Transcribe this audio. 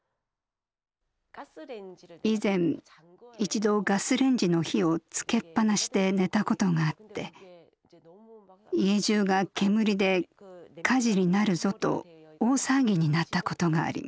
以前一度ガスレンジの火を付けっぱなしで寝たことがあって家じゅうが煙で火事になるぞと大騒ぎになったことがあります。